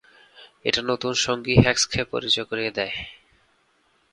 এটা নতুন সঙ্গী হেক্সকে পরিচয় করিয়ে দেয়।